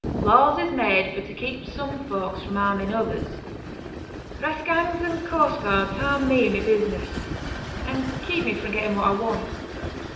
Laws is made for to keep some folks fra' harming others. Press gangs and coast guards harm me i' my business, and keep me fra' getting what I want.